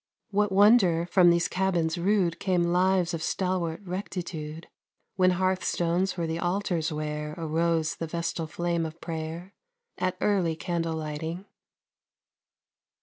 _" What wonder from those cabins rude Came lives of stalwart rectitude, When hearth stones were the altars where Arose the vestal flame of prayer At early candle lighting.